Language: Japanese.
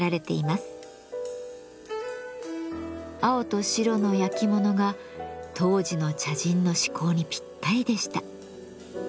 青と白の焼き物が当時の茶人の嗜好にぴったりでした。